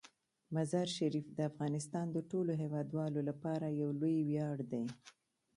مزارشریف د افغانستان د ټولو هیوادوالو لپاره یو لوی ویاړ دی.